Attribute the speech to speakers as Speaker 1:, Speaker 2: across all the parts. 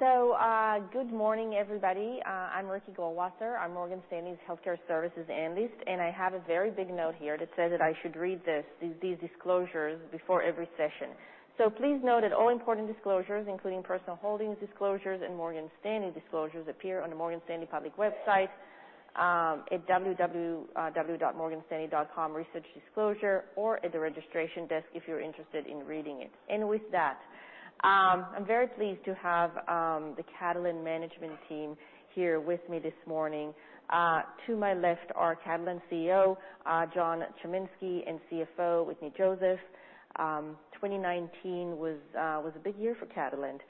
Speaker 1: So, good morning, everybody. I'm Ricky Goldwasser. I'm Morgan Stanley's Healthcare Services Analyst, and I have a very big note here that says that I should read this, these disclosures before every session. So please note that all important disclosures, including personal holdings disclosures and Morgan Stanley disclosures, appear on the Morgan Stanley public website, at www.morganstanley.com/researchdisclosure or at the registration desk if you're interested in reading it. And with that, I'm very pleased to have the Catalent Management team here with me this morning. To my left are Catalent CEO John Chiminski and CFO Wetteny Joseph. 2019 was a big year for Catalent.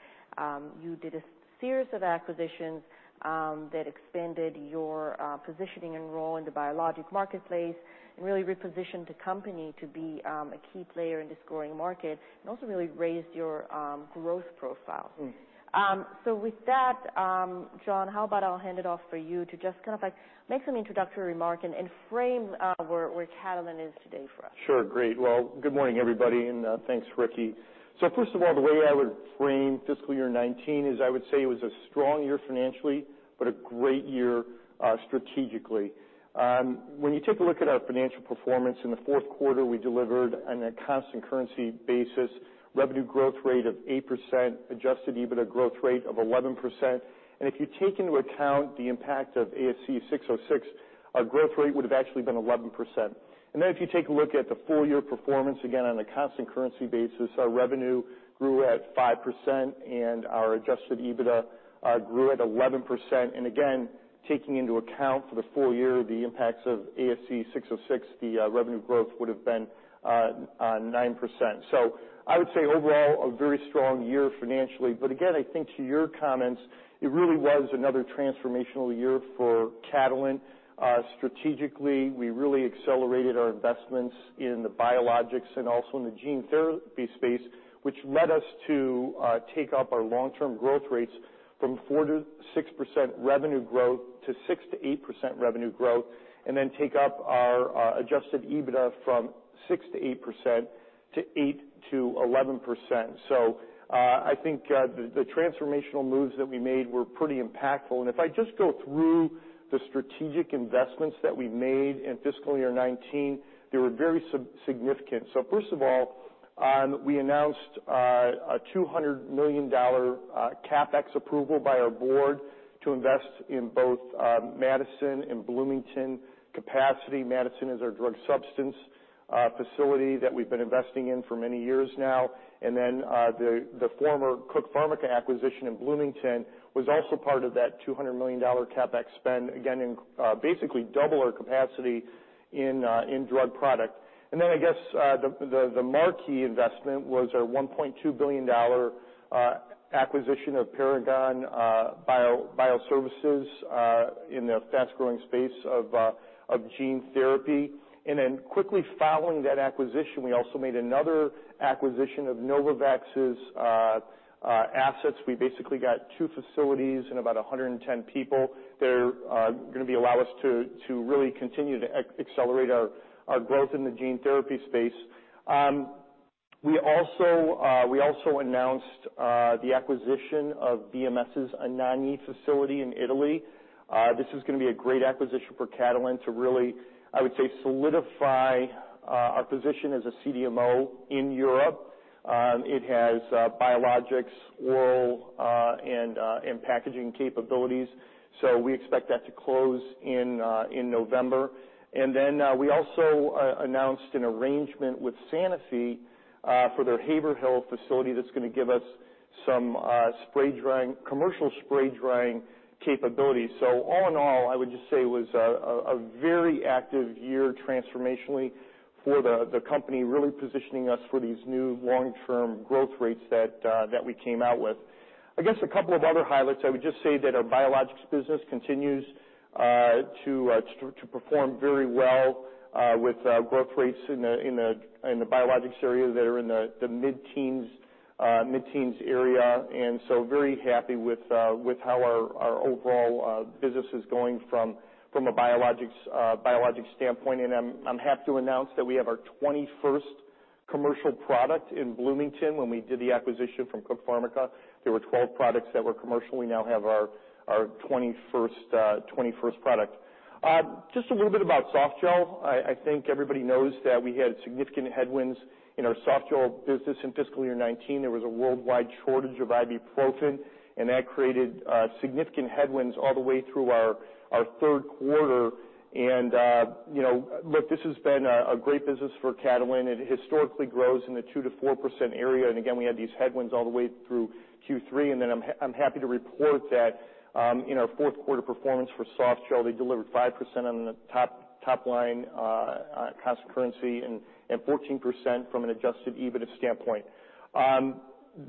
Speaker 1: You did a series of acquisitions that expanded your positioning and role in the biologics marketplace and really repositioned the company to be a key player in this growing market and also really raised your growth profile. With that, John, how about I'll hand it off to you to just kind of, like, make some introductory remark and frame where Catalent is today for us?
Speaker 2: Sure. Great. Well, good morning, everybody, and thanks, Ricky. So first of all, the way I would frame fiscal year 2019 is I would say it was a strong year financially, but a great year, strategically. When you take a look at our financial performance in the fourth quarter, we delivered on a constant currency basis, revenue growth rate of eight%, Adjusted EBITDA growth rate of 11%. And if you take into account the impact of ASC 606, our growth rate would have actually been 11%. And then if you take a look at the full year performance, again, on a constant currency basis, our revenue grew at 5%, and our Adjusted EBITDA grew at 11%. And again, taking into account for the full year the impacts of ASC 606, the revenue growth would have been nine%. So I would say overall a very strong year financially. But again, I think to your comments, it really was another transformational year for Catalent. Strategically, we really accelerated our investments in the biologics and also in the gene therapy space, which led us to take up our long-term growth rates from 4-6% revenue growth to 6-8% revenue growth, and then take up our Adjusted EBITDA from 6-8% to 8-11%. So, I think, the transformational moves that we made were pretty impactful. And if I just go through the strategic investments that we made in fiscal year 2019, they were very significant. So first of all, we announced a $200 million CapEx approval by our board to invest in both Madison and Bloomington capacity. Madison is our drug substance facility that we've been investing in for many years now. And then the former Cook Pharmica acquisition in Bloomington was also part of that $200 million CapEx spend, again, in basically double our capacity in drug product. And then I guess the marquee investment was our $1.2 billion acquisition of Paragon Bioservices in the fast-growing space of gene therapy. And then quickly following that acquisition, we also made another acquisition of Novavax's assets. We basically got two facilities and about 110 people. They're gonna allow us to really continue to accelerate our growth in the gene therapy space. We also announced the acquisition of BMS's Anagni facility in Italy. This is gonna be a great acquisition for Catalent to really, I would say, solidify our position as a CDMO in Europe. It has biologics, oral, and packaging capabilities. So we expect that to close in November. Then we also announced an arrangement with Sanofi for their Haverhill facility that's gonna give us some commercial spray-drying capabilities. All in all, I would just say it was a very active year transformationally for the company, really positioning us for these new long-term growth rates that we came out with. I guess a couple of other highlights. I would just say that our biologics business continues to perform very well with growth rates in the biologics area that are in the mid-teens area. Very happy with how our overall business is going from a biologics standpoint. I'm happy to announce that we have our 21st commercial product in Bloomington. When we did the acquisition from Cook Pharmica, there were 12 products that were commercial. We now have our 21st product. Just a little bit about Softgel. I think everybody knows that we had significant headwinds in our Softgel business in fiscal year 2019. There was a worldwide shortage of ibuprofen, and that created significant headwinds all the way through our third quarter. You know, look, this has been a great business for Catalent. It historically grows in the 2%-4% area. Again, we had these headwinds all the way through Q3. Then I'm happy to report that, in our fourth quarter performance for Softgel, they delivered 5% on the top line, constant currency and 14% from an Adjusted EBITDA standpoint.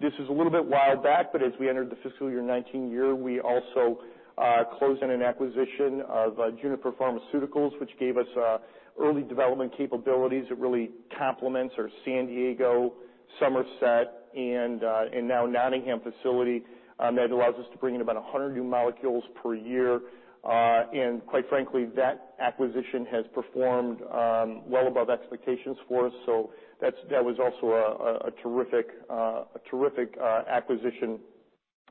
Speaker 2: This is a little bit while back, but as we entered the fiscal year 2019, we also closed an acquisition of Juniper Pharmaceuticals, which gave us early development capabilities that really complements our San Diego, Somerset, and now Nottingham facility, that allows us to bring in about 100 new molecules per year. And quite frankly, that acquisition has performed well above expectations for us. So that was also a terrific acquisition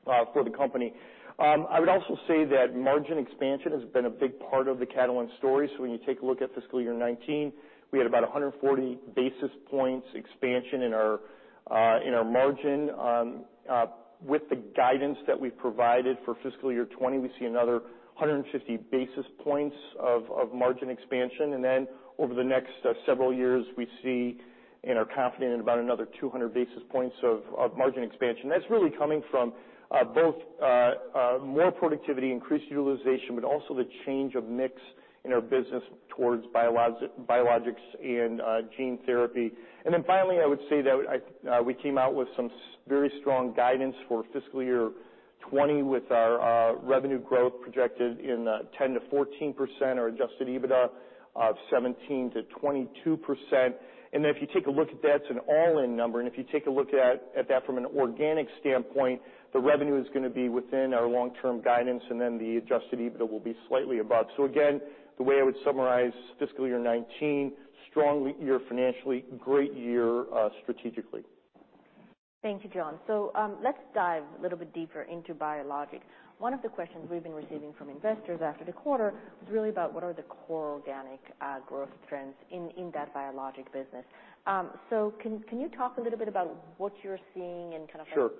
Speaker 2: for the company. I would also say that margin expansion has been a big part of the Catalent story. So when you take a look at fiscal year 2019, we had about 140 basis points expansion in our margin. With the guidance that we've provided for fiscal year 2020, we see another 150 basis points of margin expansion. Then over the next several years, we see and are confident in about another 200 basis points of margin expansion. That's really coming from both more productivity, increased utilization, but also the change of mix in our business towards biologics and gene therapy. Finally, I would say that we came out with some very strong guidance for fiscal year 2020 with our revenue growth projected at 10%-14%, our Adjusted EBITDA of 17%-22%. Then if you take a look at that, it's an all-in number. And if you take a look at that from an organic standpoint, the revenue is gonna be within our long-term guidance, and then the Adjusted EBITDA will be slightly above. Again, the way I would summarize fiscal year 2019, strong year financially, great year strategically.
Speaker 1: Thank you, John. So, let's dive a little bit deeper into biologics. One of the questions we've been receiving from investors after the quarter was really about what are the core organic growth trends in that biologics business. So can you talk a little bit about what you're seeing and kind of?
Speaker 2: Sure.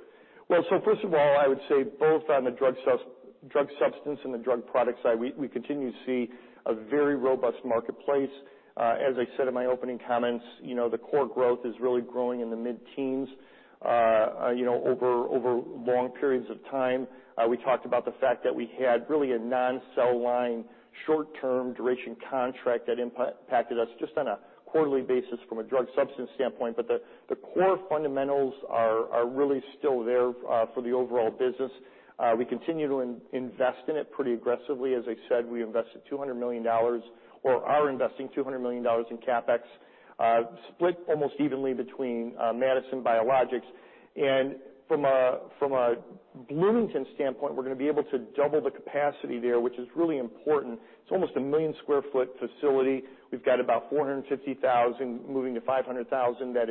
Speaker 2: Well, so first of all, I would say both on the drug substance and the drug product side, we continue to see a very robust marketplace. As I said in my opening comments, you know, the core growth is really growing in the mid-teens, you know, over long periods of time. We talked about the fact that we had really a non-cell line short-term duration contract that impacted us just on a quarterly basis from a drug substance standpoint. But the core fundamentals are really still there for the overall business. We continue to invest in it pretty aggressively. As I said, we invested $200 million or are investing $200 million in CapEx, split almost evenly between Madison biologics and Bloomington. From a Bloomington standpoint, we're gonna be able to double the capacity there, which is really important. It's almost a million sq ft facility. We've got about 450,000-500,000 that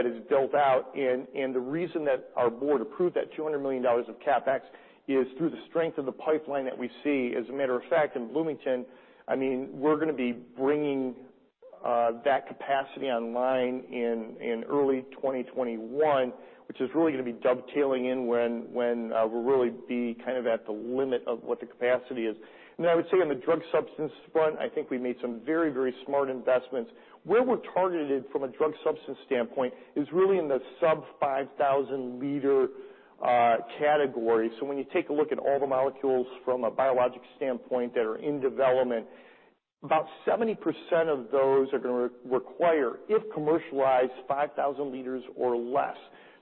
Speaker 2: is built out. And the reason that our board approved that $200 million of CapEx is through the strength of the pipeline that we see. As a matter of fact, in Bloomington, I mean, we're gonna be bringing that capacity online in early 2021, which is really gonna be dovetailing in when we'll really be kind of at the limit of what the capacity is. And then I would say on the drug substance front, I think we made some very, very smart investments. Where we're targeted from a drug substance standpoint is really in the sub-5,000-liter category. So when you take a look at all the molecules from a biologic standpoint that are in development, about 70% of those are gonna require, if commercialized, 5,000 liters or less.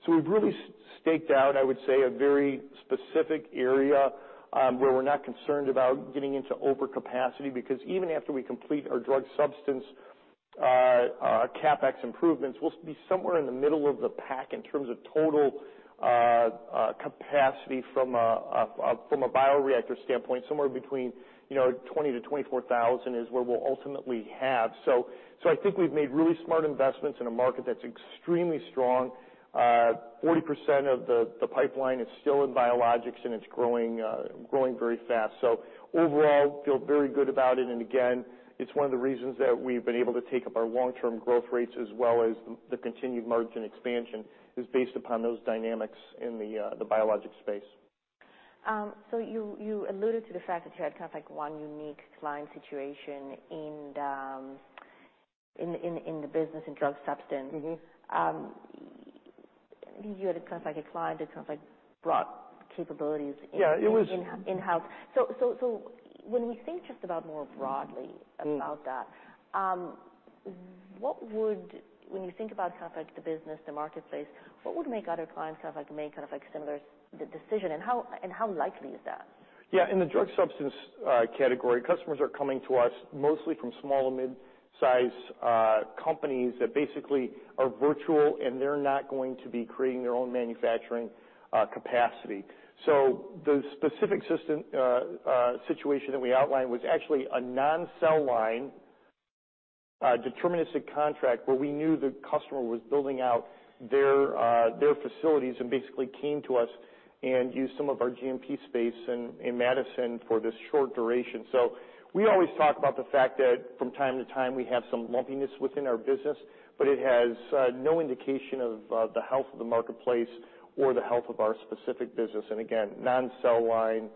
Speaker 2: So we've really staked out, I would say, a very specific area, where we're not concerned about getting into overcapacity because even after we complete our drug substance CapEx improvements, we'll be somewhere in the middle of the pack in terms of total capacity from a bioreactor standpoint, somewhere between, you know, 20 to 24,000 is where we'll ultimately have. So I think we've made really smart investments in a market that's extremely strong. 40% of the pipeline is still in biologics, and it's growing very fast. So overall, feel very good about it. And again, it's one of the reasons that we've been able to take up our long-term growth rates as well as the continued margin expansion is based upon those dynamics in the biologics space.
Speaker 1: You alluded to the fact that you had kind of, like, one unique client situation in the business in drug substance.
Speaker 2: Mm-hmm.
Speaker 1: You had a kind of, like, a client that kind of, like, brought capabilities in.
Speaker 2: Yeah. It was.
Speaker 1: In-house. So when we think just about more broadly about that.
Speaker 2: Mm-hmm.
Speaker 1: When you think about the business, the marketplace, what would make other clients make similar decisions, and how likely is that?
Speaker 2: Yeah. In the drug substance category, customers are coming to us mostly from small- and mid-size companies that basically are virtual, and they're not going to be creating their own manufacturing capacity. So the specific situation that we outlined was actually a non-cell line development contract where we knew the customer was building out their facilities and basically came to us and used some of our GMP space in Madison for this short duration. So we always talk about the fact that from time to time we have some lumpiness within our business, but it has no indication of the health of the marketplace or the health of our specific business. And again, non-cell line,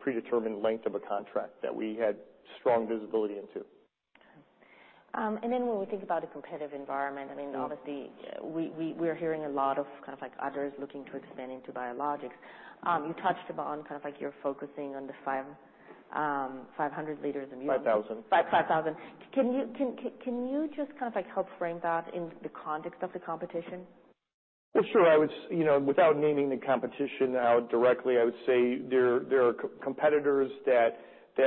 Speaker 2: predetermined length of a contract that we had strong visibility into.
Speaker 1: Okay. And then when we think about a competitive environment, I mean, obviously, we are hearing a lot of kind of, like, others looking to expand into biologics. You touched upon kind of, like, you're focusing on the 5,500 liters a year.
Speaker 2: 5,000.
Speaker 1: 5, 5,000. Can you just kind of, like, help frame that in the context of the competition?
Speaker 2: Sure. I would say, you know, without calling out the competition directly, I would say there are competitors that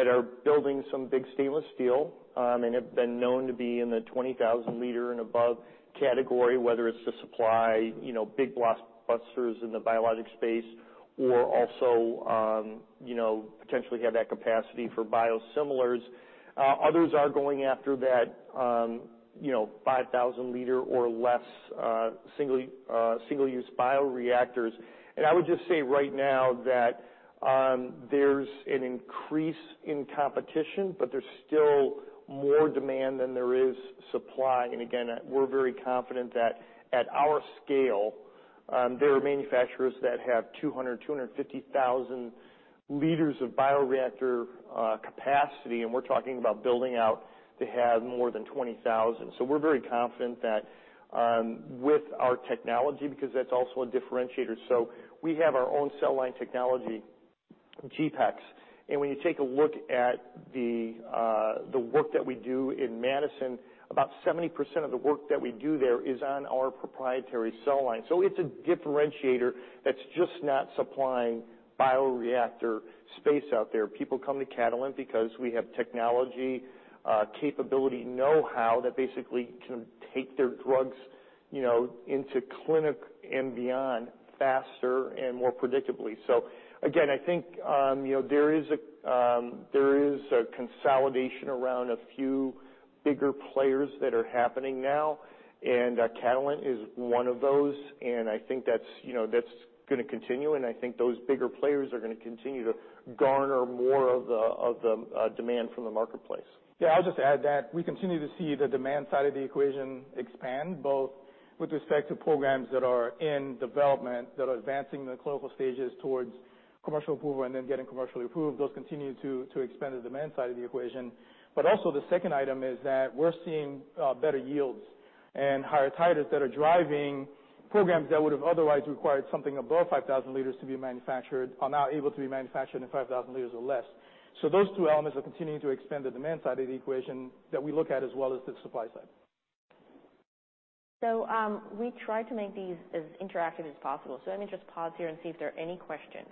Speaker 2: are building some big stainless steel, and have been known to be in the 20,000 liters and above category, whether it's to supply, you know, big blockbusters in the biologics space or also, you know, potentially have that capacity for biosimilars. Others are going after that, you know, 5,000 liters or less, single-use bioreactors. And I would just say right now that, there's an increase in competition, but there's still more demand than there is supply. And again, we're very confident that at our scale, there are manufacturers that have 200-250,000 liters of bioreactor capacity, and we're talking about building out to have more than 20,000. So we're very confident that with our technology because that's also a differentiator. So we have our own cell line technology, GPEx. And when you take a look at the work that we do in Madison, about 70% of the work that we do there is on our proprietary cell line. So it's a differentiator that's just not supplying bioreactor space out there. People come to Catalent because we have technology, capability, know-how that basically can take their drugs, you know, into clinic and beyond faster and more predictably. So again, I think, you know, there is a consolidation around a few bigger players that are happening now. And Catalent is one of those. And I think that's, you know, that's gonna continue. And I think those bigger players are gonna continue to garner more of the demand from the marketplace.
Speaker 3: Yeah. I'll just add that we continue to see the demand side of the equation expand, both with respect to programs that are in development, that are advancing the clinical stages towards commercial approval and then getting commercially approved. Those continue to expand the demand side of the equation. But also the second item is that we're seeing better yields and higher titers that are driving programs that would have otherwise required something above 5,000 liters to be manufactured are now able to be manufactured in 5,000 liters or less. So those two elements are continuing to expand the demand side of the equation that we look at as well as the supply side.
Speaker 1: We try to make these as interactive as possible. Let me just pause here and see if there are any questions.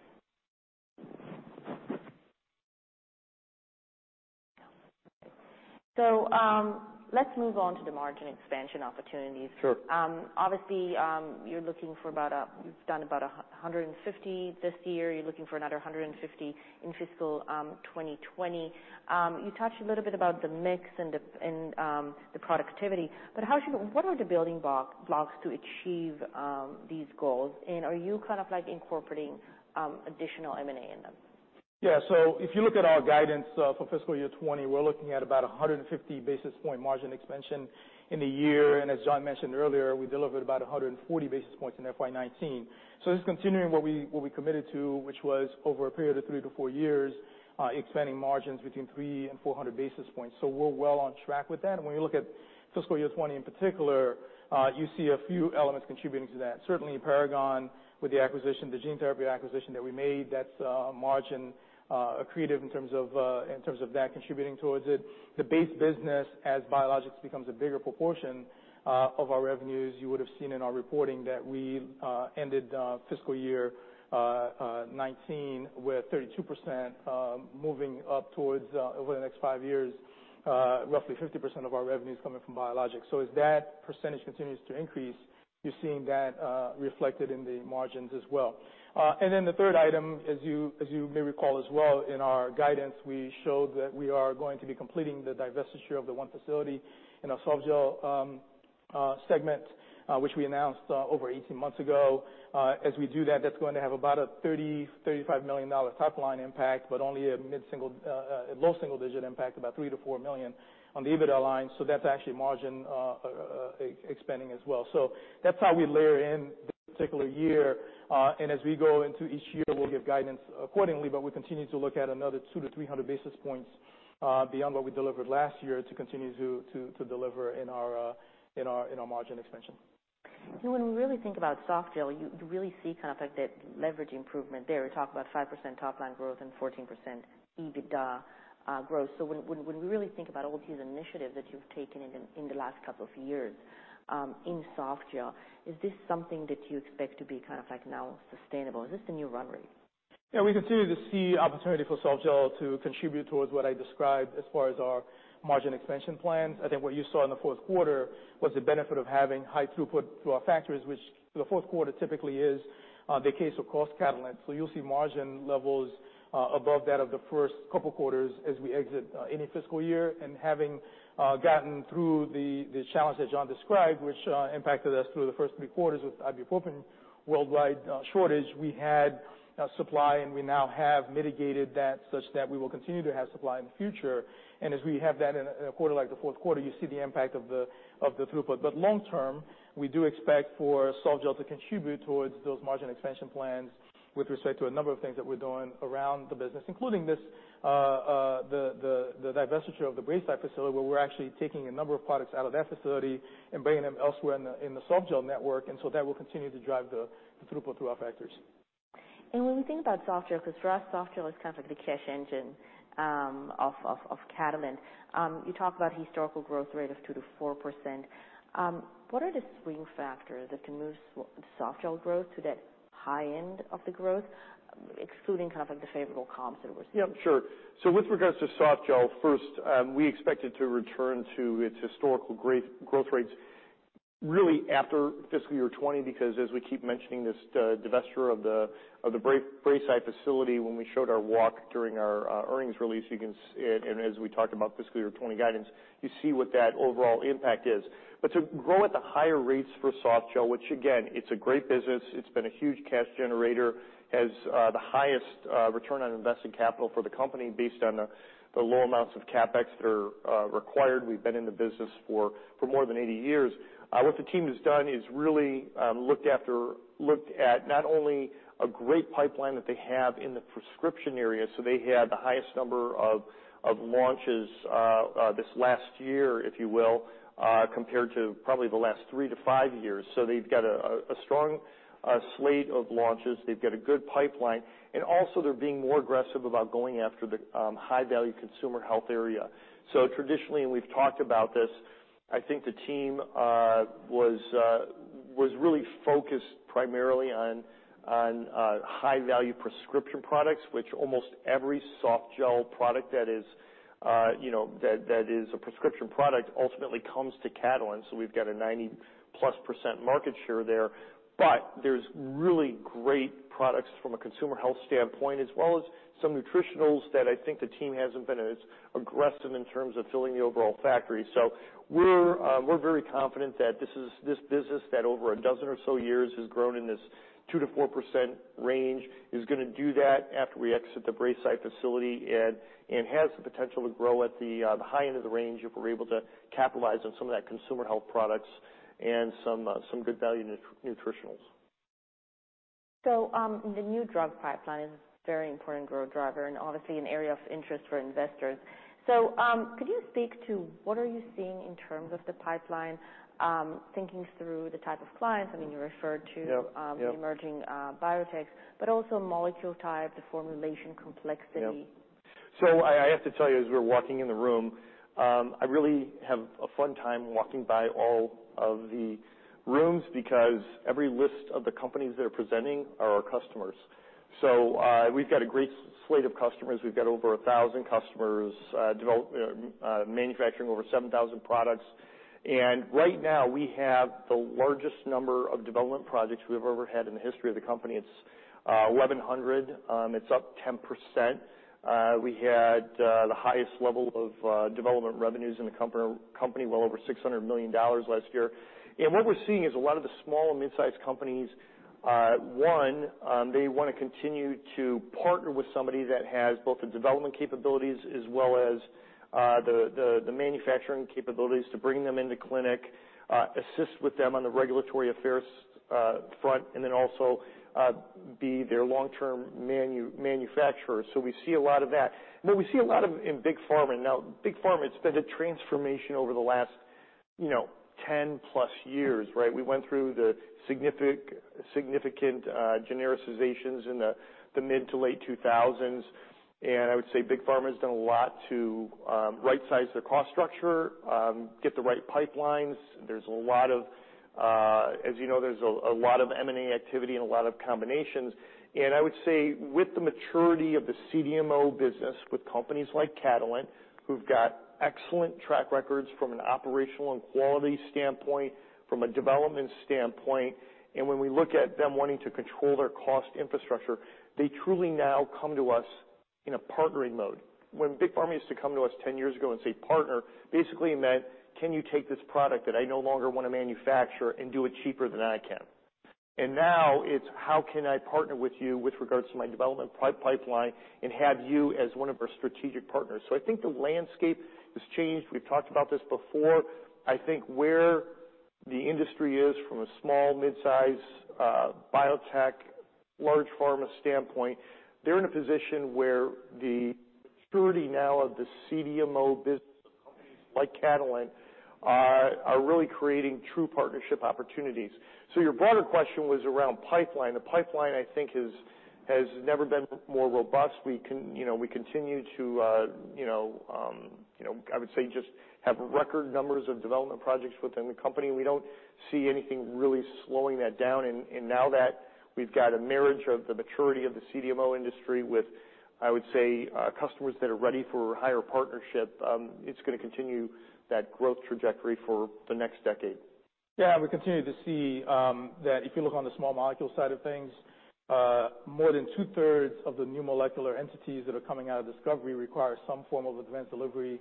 Speaker 1: Let's move on to the margin expansion opportunities.
Speaker 2: Sure.
Speaker 1: Obviously, you've done about a 150 this year. You're looking for another 150 in fiscal 2020. You touched a little bit about the mix and the productivity. But what are the building blocks to achieve these goals? And are you kind of, like, incorporating additional M&A in them?
Speaker 3: Yeah. So if you look at our guidance, for fiscal year 2020, we're looking at about 150 basis point margin expansion in the year. And as John mentioned earlier, we delivered about 140 basis points in FY 2019. So this is continuing what we committed to, which was over a period of three to four years, expanding margins between 3 and 400 basis points. So we're well on track with that. And when you look at fiscal year 2020 in particular, you see a few elements contributing to that. Certainly, Paragon with the acquisition, the gene therapy acquisition that we made, that's margin accretive in terms of that contributing towards it. The base business as biologics becomes a bigger proportion of our revenues. You would have seen in our reporting that we ended fiscal year 2019 with 32% moving up towards over the next five years roughly 50% of our revenues coming from biologics. So as that percentage continues to increase, you're seeing that reflected in the margins as well. And then the third item, as you may recall as well in our guidance, we showed that we are going to be completing the divestiture of the one facility in our softgel segment, which we announced over 18 months ago. As we do that, that's going to have about a $30-$35 million top line impact, but only a mid-single, low single-digit impact, about $3-$4 million on the EBITDA line. So that's actually margin expanding as well. So that's how we layer in this particular year. As we go into each year, we'll give guidance accordingly. We continue to look at another 2-300 basis points, beyond what we delivered last year to continue to deliver in our margin expansion.
Speaker 1: When we really think about Softgel, you really see kind of, like, that leverage improvement there. We talk about 5% top line growth and 14% EBITDA growth. When we really think about all these initiatives that you've taken in the last couple of years in Softgel, is this something that you expect to be kind of, like, now sustainable? Is this the new run rate?
Speaker 3: Yeah. We continue to see opportunity for softgel to contribute towards what I described as far as our margin expansion plans. I think what you saw in the fourth quarter was the benefit of having high throughput through our factories, which the fourth quarter typically is the case for Catalent. So you'll see margin levels above that of the first couple quarters as we exit any fiscal year. And having gotten through the challenge that John described, which impacted us through the first three quarters with ibuprofen worldwide shortage, we had supply, and we now have mitigated that such that we will continue to have supply in the future. And as we have that in a quarter like the fourth quarter, you see the impact of the throughput. But long term, we do expect for softgel to contribute towards those margin expansion plans with respect to a number of things that we're doing around the business, including this, the divestiture of the Braeside facility where we're actually taking a number of products out of that facility and bringing them elsewhere in the softgel network. And so that will continue to drive the throughput through our factories.
Speaker 1: When we think about softgel, because for us, softgel is kind of, like, the cash engine of Catalent, you talk about historical growth rate of 2%-4%. What are the swing factors that can move softgel growth to that high end of the growth, excluding kind of, like, the favorable comps that we're seeing?
Speaker 2: Yeah. Sure. So with regards to softgel first, we expect it to return to its historical great growth rates really after fiscal year 2020 because as we keep mentioning this, divestiture of the Braeside facility, when we showed our walk during our earnings release, you can see and, and as we talked about fiscal year 2020 guidance, you see what that overall impact is. But to grow at the higher rates for softgel, which again, it's a great business. It's been a huge cash generator, has the highest return on invested capital for the company based on the low amounts of CapEx that are required. We've been in the business for more than 80 years. What the team has done is really looked at not only a great pipeline that they have in the prescription area. So they had the highest number of launches this last year, if you will, compared to probably the last three to five years. So they've got a strong slate of launches. They've got a good pipeline. And also, they're being more aggressive about going after the high-value consumer health area. So traditionally, and we've talked about this, I think the team was really focused primarily on high-value prescription products, which almost every soft gel product that is, you know, that is a prescription product ultimately comes to Catalent. So we've got a 90-plus% market share there. But there's really great products from a consumer health standpoint as well as some nutritionals that I think the team hasn't been as aggressive in terms of filling the overall factory. So we're very confident that this business that over a dozen or so years has grown in this 2%-4% range is gonna do that after we exit the Braeside facility and has the potential to grow at the high end of the range if we're able to capitalize on some of that consumer health products and some good value nutritionals.
Speaker 1: The new drug pipeline is a very important growth driver and obviously an area of interest for investors. Could you speak to what are you seeing in terms of the pipeline, thinking through the type of clients? I mean, you referred to.
Speaker 2: Yeah. Yeah.
Speaker 1: the emerging biotechs, but also molecule type, the formulation complexity.
Speaker 2: Yeah. So I have to tell you, as we're walking in the room, I really have a fun time walking by all of the rooms because every list of the companies that are presenting are our customers. So, we've got a great slate of customers. We've got over 1,000 customers, development and manufacturing over 7,000 products. And right now, we have the largest number of development projects we've ever had in the history of the company. It's 1,100. It's up 10%. We had the highest level of development revenues in the company well over $600 million last year. And what we're seeing is a lot of the small and mid-sized companies, one, they wanna continue to partner with somebody that has both the development capabilities as well as the manufacturing capabilities to bring them into clinic, assist with them on the regulatory affairs front, and then also be their long-term manufacturer. So we see a lot of that. But we see a lot of in big pharma. Now, big pharma has been a transformation over the last, you know, 10-plus years, right? We went through the significant genericizations in the mid to late 2000s. And I would say big pharma has done a lot to right-size their cost structure, get the right pipelines. There's a lot of, as you know, M&A activity and a lot of combinations. And I would say with the maturity of the CDMO business with companies like Catalent, who've got excellent track records from an operational and quality standpoint, from a development standpoint, and when we look at them wanting to control their cost infrastructure, they truly now come to us in a partnering mode. When big pharma used to come to us 10 years ago and say, "Partner," basically meant, "Can you take this product that I no longer wanna manufacture and do it cheaper than I can?" And now it's, "How can I partner with you with regards to my development pipeline and have you as one of our strategic partners?" So I think the landscape has changed. We've talked about this before. I think where the industry is from a small, mid-size, biotech, large pharma standpoint, they're in a position where the maturity now of the CDMO business of companies like Catalent are really creating true partnership opportunities. So your broader question was around pipeline. The pipeline, I think, has never been more robust. We continue to, you know, you know, I would say just have record numbers of development projects within the company. We don't see anything really slowing that down. And now that we've got a marriage of the maturity of the CDMO industry with, I would say, customers that are ready for higher partnership, it's gonna continue that growth trajectory for the next decade.
Speaker 3: Yeah. We continue to see that if you look on the small molecule side of things, more than two-thirds of the new molecular entities that are coming out of discovery require some form of advanced delivery,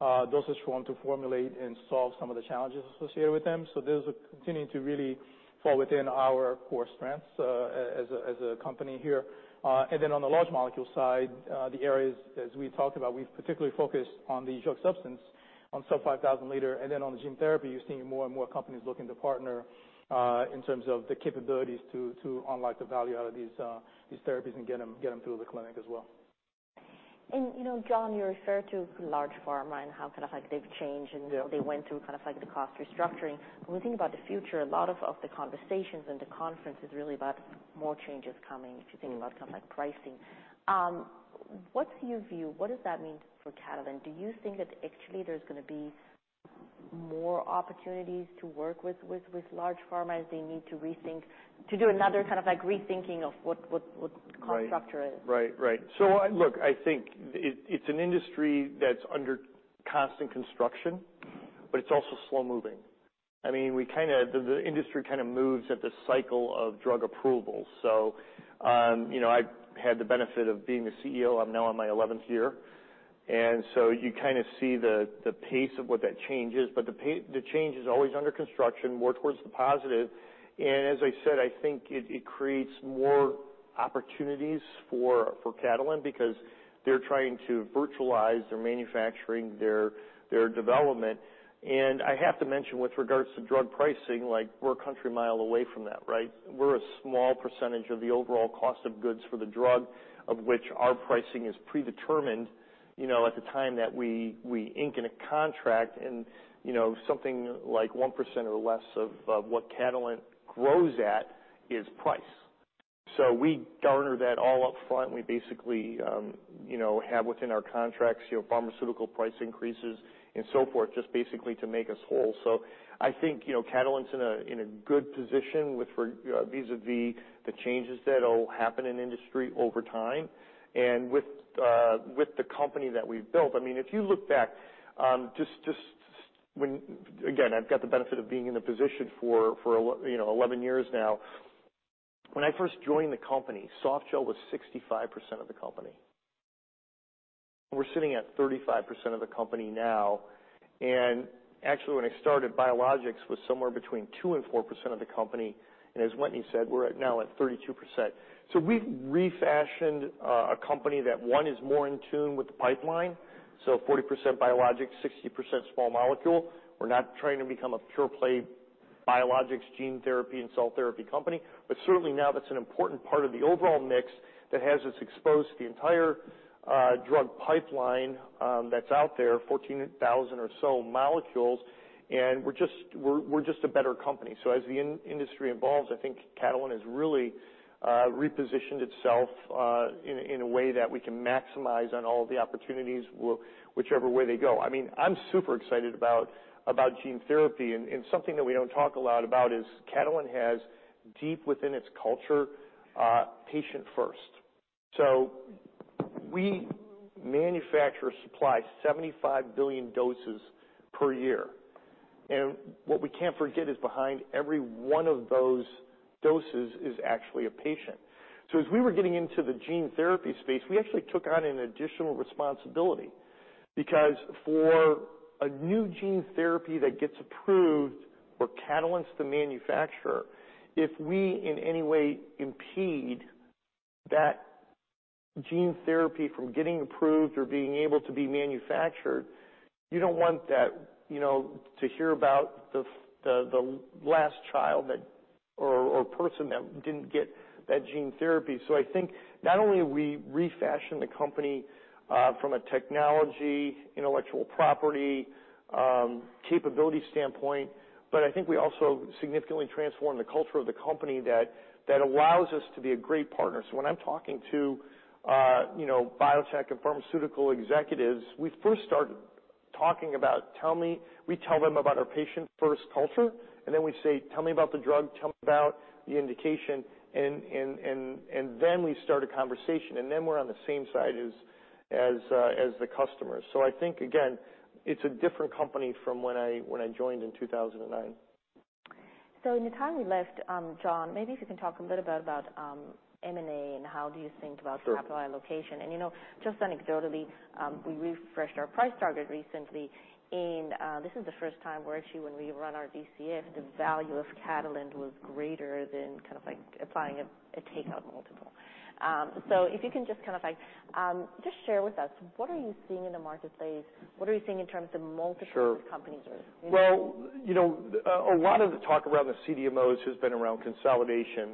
Speaker 3: dosage form to formulate and solve some of the challenges associated with them. So those are continuing to really fall within our core strengths, as a company here. And then on the large molecule side, the areas, as we talked about, we've particularly focused on the drug substance, on sub-5,000 liter, and then on the gene therapy. You're seeing more and more companies looking to partner, in terms of the capabilities to unlock the value out of these therapies and get them through the clinic as well.
Speaker 1: You know, John, you referred to large pharma and how kind of, like, they've changed and.
Speaker 2: Yeah.
Speaker 1: They went through kind of, like, the cost restructuring. When we think about the future, a lot of the conversations and the conference is really about more changes coming if you think about kind of, like, pricing. What's your view? What does that mean for Catalent? Do you think that actually there's gonna be more opportunities to work with large pharma as they need to rethink, to do another kind of, like, rethinking of what cost structure is?
Speaker 2: Right. So I look, I think it's an industry that's under constant construction, but it's also slow-moving. I mean, the industry kinda moves at the cycle of drug approvals. So, you know, I've had the benefit of being the CEO. I'm now on my 11th year. And so you kinda see the pace of what that change is. But the change is always under construction, more towards the positive. And as I said, I think it creates more opportunities for Catalent because they're trying to virtualize their manufacturing, their development. And I have to mention with regards to drug pricing, like, we're a country mile away from that, right? We're a small percentage of the overall cost of goods for the drug, of which our pricing is predetermined, you know, at the time that we ink a contract. And, you know, something like 1% or less of what Catalent grows at is price. So we garner that all upfront. We basically, you know, have within our contracts, you know, pharmaceutical price increases and so forth, just basically to make us whole. So I think, you know, Catalent's in a good position with regard vis-à-vis the changes that'll happen in industry over time. And with the company that we've built, I mean, if you look back, just when again, I've got the benefit of being in the position for a long you know, 11 years now. When I first joined the company, Softgel was 65% of the company. We're sitting at 35% of the company now. And actually, when I started, biologics was somewhere between 2%-4% of the company. And as Wetteny said, we're now at 32%. So we've refashioned a company that, one, is more in tune with the pipeline. So 40% biologics, 60% small molecule. We're not trying to become a pure-play biologics, gene therapy, and cell therapy company. But certainly now that's an important part of the overall mix that has us exposed to the entire drug pipeline that's out there, 14,000 or so molecules. And we're just a better company. So as the industry evolves, I think Catalent has really repositioned itself in a way that we can maximize on all of the opportunities whichever way they go. I mean, I'm super excited about gene therapy. Something that we don't talk a lot about is Catalent has deep within its culture, patient-first. So we manufacture or supply 75 billion doses per year. And what we can't forget is behind every one of those doses is actually a patient. So as we were getting into the gene therapy space, we actually took on an additional responsibility because for a new gene therapy that gets approved or Catalent's the manufacturer, if we in any way impede that gene therapy from getting approved or being able to be manufactured, you don't want that, you know, to hear about the fact that the last child or person that didn't get that gene therapy. So I think not only have we refashioned the company from a technology, intellectual property, capability standpoint, but I think we also significantly transformed the culture of the company that allows us to be a great partner. So when I'm talking to you know, biotech and pharmaceutical executives, we first start talking about "Tell me" we tell them about our patient-first culture. And then we say, "Tell me about the drug. Tell me about the indication." And then we start a conversation. And then we're on the same side as the customers. So I think again, it's a different company from when I joined in 2009.
Speaker 1: So in the time we left, John, maybe if you can talk a little bit about M&A and how do you think about.
Speaker 2: Sure.
Speaker 1: Capital allocation. You know, just anecdotally, we refreshed our price target recently. This is the first time where actually when we run our DCF, the value of Catalent was greater than kind of, like, applying a takeout multiple. So if you can just kind of, like, just share with us, what are you seeing in the marketplace? What are you seeing in terms of multiple?
Speaker 2: Sure.
Speaker 1: Companies or?
Speaker 2: You know, a lot of the talk around the CDMOs has been around consolidation.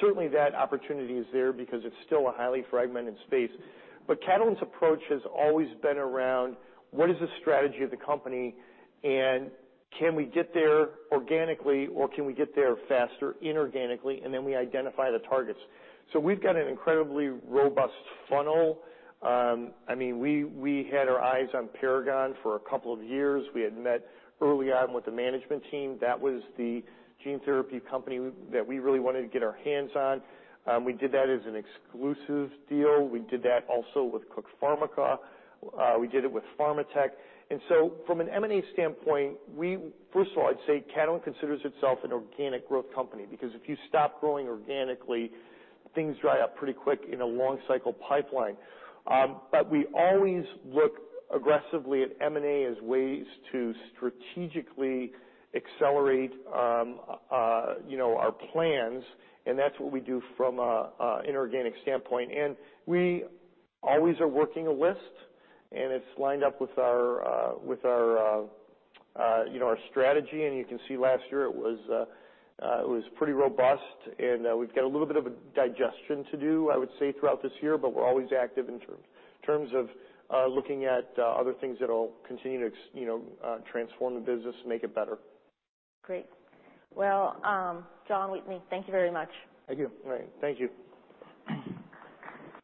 Speaker 2: Certainly that opportunity is there because it's still a highly fragmented space. Catalent's approach has always been around, "What is the strategy of the company? And can we get there organically, or can we get there faster inorganically?" Then we identify the targets. So we've got an incredibly robust funnel. I mean, we had our eyes on Paragon for a couple of years. We had met early on with the management team. That was the gene therapy company that we really wanted to get our hands on. We did that as an exclusive deal. We did that also with Cook Pharmica. We did it with Pharmatek. And so from an M&A standpoint, we first of all, I'd say Catalent considers itself an organic growth company because if you stop growing organically, things dry up pretty quick in a long-cycle pipeline, but we always look aggressively at M&A as ways to strategically accelerate, you know, our plans. And that's what we do from a inorganic standpoint. And we always are working a list. And it's lined up with our, you know, our strategy. And you can see last year it was pretty robust. And we've got a little bit of a digestion to do, I would say, throughout this year. But we're always active in terms of looking at other things that'll continue to, you know, transform the business, make it better.
Speaker 1: Great. Well, John Chiminski, thank you very much.
Speaker 3: Thank you.
Speaker 2: All right. Thank you.